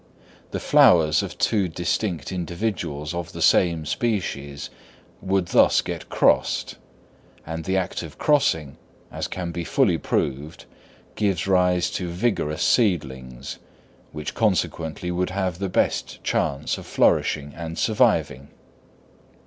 The flowers of two distinct individuals of the same species would thus get crossed; and the act of crossing, as can be fully proved, gives rise to vigorous seedlings, which consequently would have the best chance of flourishing and surviving.